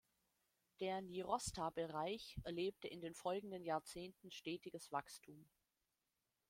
Der Nirosta-Bereich erlebte in den folgenden Jahrzehnten stetiges Wachstum.